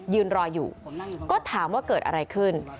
ยืนรออยู่ก็ถามว่าเกิดอะไรขึ้น